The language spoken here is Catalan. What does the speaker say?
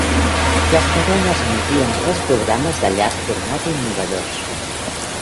Les cadenes emetien tres programes de llarg format innovadors.